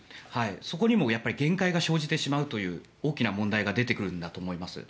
そこにも限界が生じてしまうという大きな問題が出てくるんだと思います。